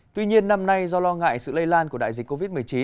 tuy nhiên năm nay do lo ngại sự lây lan của đại dịch covid một mươi chín